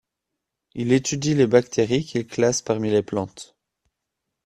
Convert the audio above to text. Il étudie les bactéries qu’il classe parmi les plantes.